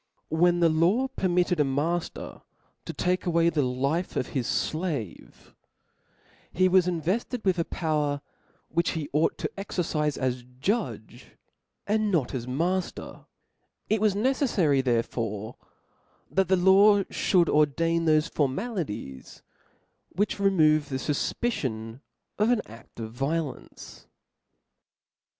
When the law permitted a matter to take away the life of his flave, he was invetted with a power which he ought to excrcife as judge, and not as matter ; 364 ' T H E S P I R I T ^xv "^ mafter; it was neccflary, therefore that the law Chap. i6, fliould ordain thofe formalities, which remove the fufpicion of an aft of violence.